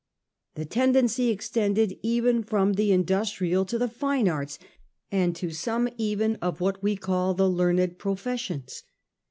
The influx of tendency extended even from the industrial labour to the fine arts, and to some even of what we call the learned professions.